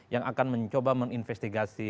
yang akan mencoba menginvestigasi